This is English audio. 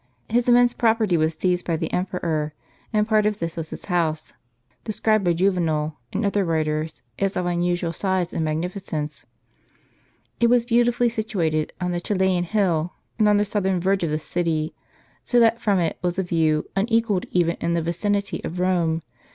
His immense property was seized by the em peror, and part of this was his house, described by Juvenal, and other writers, as of unusual size and magnificence. It was beautifully situated on the Coelian hill, and on the southern verge of the city ; so that from it was a view^ unequalled even in the vicinity of Rome.